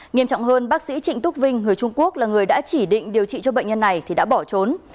nghiêm trọng hơn bác sĩ trịnh túc vinh người trung quốc là người đã chỉ định điều trị cho bệnh nhân này thì đã bỏ trốn